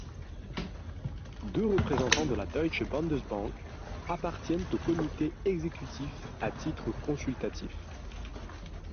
Deux représentants de la Deutsche Bundesbank appartiennent au Comité exécutif à titre consultatif.